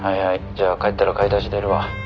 じゃあ帰ったら買い出し出るわ」